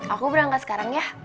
aku berangkat sekarang ya